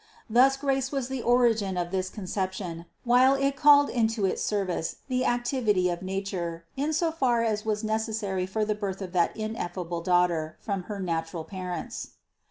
Thus grace was the origin of this Con ception, while it called into its service the activity of nature in so far as was necessary for the birth of that ineffable Daughter from her natural parents.